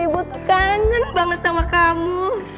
ibu kangen banget sama kamu